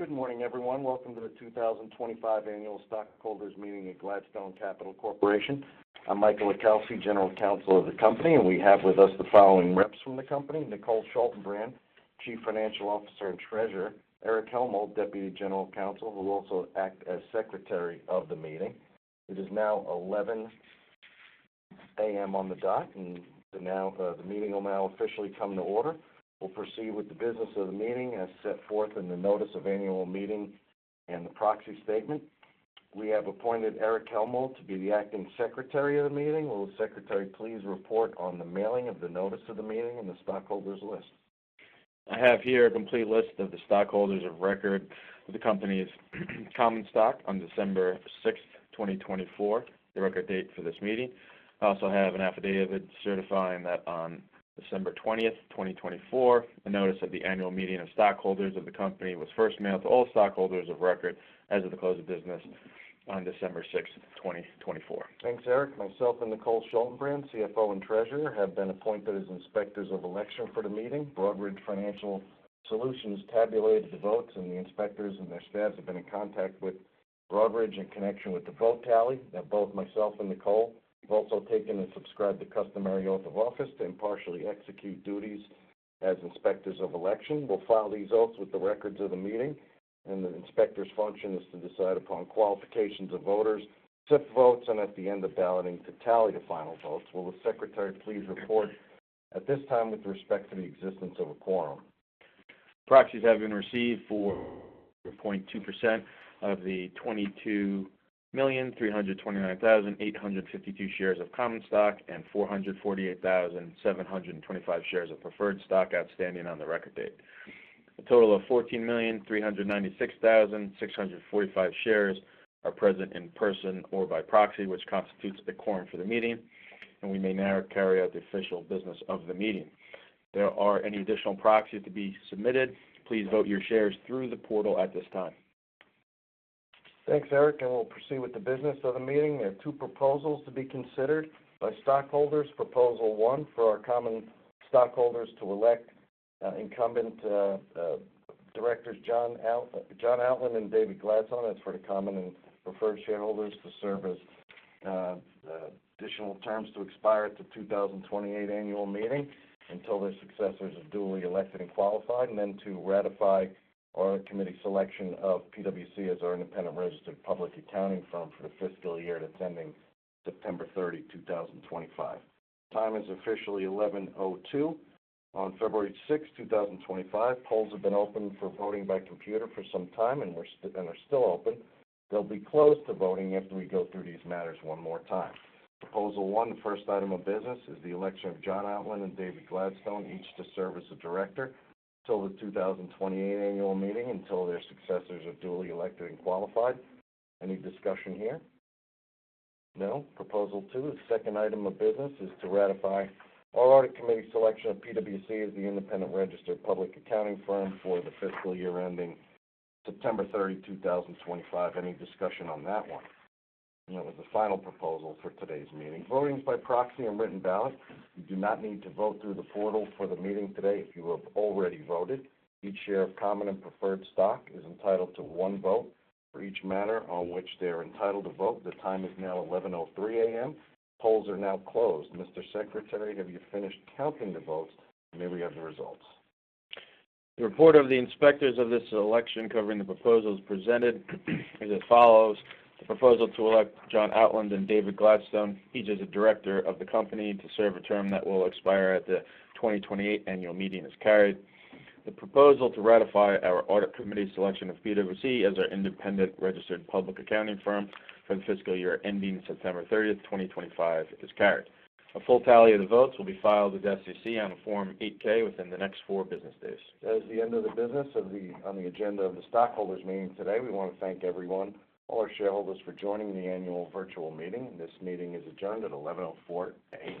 Good morning, everyone. Welcome to the 2025 Annual Stockholders' Meeting at Gladstone Capital Corporation. I'm Michael LiCalsi, General Counsel of the company, and we have with us the following reps from the company: Nicole Schaltenbrand, Chief Financial Officer and Treasurer; Erich Hellmold, Deputy General Counsel, who will also act as Secretary of the Meeting. It is now 11:00 A.M. on the dot, and the meeting will now officially come to order. We'll proceed with the business of the meeting as set forth in the Notice of Annual Meeting and the Proxy Statement. We have appointed Erich Hellmold to be the Acting Secretary of the Meeting. Will the Secretary please report on the mailing of the Notice of the Meeting and the Stockholders' List? I have here a complete list of the stockholders of record of the company's common stock on December 6, 2024, the record date for this meeting. I also have an affidavit certifying that on December 20, 2024, the Notice of the Annual Meeting of Stockholders of the Company was first mailed to all stockholders of record as of the close of business on December 6, 2024. Thanks, Erich. Myself and Nicole Schaltenbrand, CFO and Treasurer, have been appointed as Inspectors of Election for the meeting. Broadridge Financial Solutions tabulated the votes, and the inspectors and their staff have been in contact with Broadridge in connection with the vote tally. Now, both myself and Nicole have also taken and subscribed to customary oath of office to impartially execute duties as Inspectors of Election. We'll file these oaths with the records of the meeting, and the inspector's function is to decide upon qualifications of voters, sift votes, and at the end of balloting to tally the final votes. Will the Secretary please report at this time with respect to the existence of a quorum? Proxies have been received for 0.2% of the 22,329,852 shares of common stock and 448,725 shares of preferred stock outstanding on the record date. A total of 14,396,645 shares are present in person or by proxy, which constitutes the quorum for the meeting, and we may now carry out the official business of the meeting. There are any additional proxies to be submitted, please vote your shares through the portal at this time. Thanks, Erich, and we'll proceed with the business of the meeting. There are two proposals to be considered by stockholders. Proposal one for our common stockholders to elect incumbent directors John Outland and David Gladstone as for the common and preferred shareholders to serve as additional terms to expire at the 2028 Annual Meeting until their successors are duly elected and qualified, and then to ratify our committee selection of PwC as our independent registered public accounting firm for the fiscal year at the end of September 30, 2025. Time is officially 11:02 A.M. on February 6, 2025. Polls have been open for voting by computer for some time and are still open. They'll be closed to voting after we go through these matters one more time. Proposal one, the first item of business, is the election of John Outland and David Gladstone, each to serve as a director until the 2028 Annual Meeting until their successors are duly elected and qualified. Any discussion here? No. Proposal two, the second item of business, is to ratify our audit committee selection of PwC as the independent registered public accounting firm for the fiscal year ending September 30, 2025. Any discussion on that one? That was the final proposal for today's meeting. Voting is by proxy and written ballot. You do not need to vote through the portal for the meeting today if you have already voted. Each share of common and preferred stock is entitled to one vote for each matter on which they are entitled to vote. The time is now 11:03 A.M. Polls are now closed. Mr. Secretary, have you finished counting the votes? May we have the results? The report of the inspectors of this election covering the proposals presented is as follows: the proposal to elect John Outland and David Gladstone, each as a director of the company, to serve a term that will expire at the 2028 Annual Meeting is carried. The proposal to ratify our audit committee selection of PwC as our independent registered public accounting firm for the fiscal year ending September 30, 2025, is carried. A full tally of the votes will be filed with SEC on Form 8-K within the next four business days. That is the end of the business on the agenda of the stockholders' meeting today. We want to thank everyone, all our shareholders, for joining the Annual Virtual Meeting. This meeting is adjourned at 11:04 A.M.